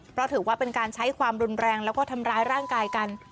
เพราะถือว่าเป็นการใช้ความรุนแรงแล้วก็ทำร้ายร่างกายกัน